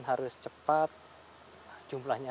harus cepat jumlahnya